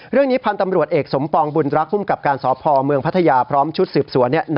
เรื่องนี้พันธ์ตำรวจเอกสมปองบุญรักภูมิกับการสพเมืองพัทยาพร้อมชุดสืบสวน